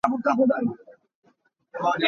Hna na chet.